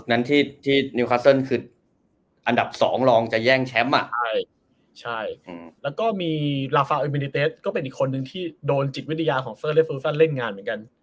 อันดับสองลองจะแย่งแชมป์อ่ะใช่แล้วก็มีเป็นอีกคนนึงที่โดนจิตวิทยาของเล่นงานเหมือนกัน